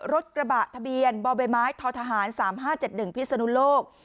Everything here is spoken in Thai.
รถกระบะทะเบียนบ่อใบไม้ททหาร๓๕๗๑พิศนุโลก